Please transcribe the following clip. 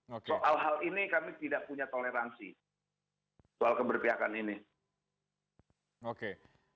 soal hal ini kami tidak punya toleransi soal keberpihakan ini